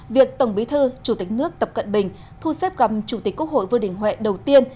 việc tổng bí thư chủ tịch nước tập cận bình thu xếp gặm chủ tịch quốc hội vương đình huệ đầu tiên